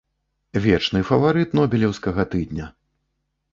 Вечны фаварыт нобелеўскага тыдня.